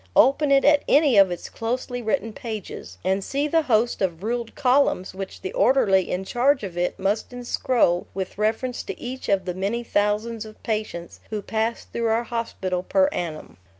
Open it at any of its closely written pages and see the host of ruled columns which the orderly in charge of it must inscroll with reference to each of the many thousands of patients who pass through our hospital per annum.